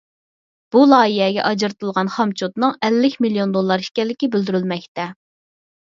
بۇ لايىھەگە ئاجرىتىلغان خامچوتنىڭ ئەللىك مىليون دوللار ئىكەنلىكى بىلدۈرۈلمەكتە.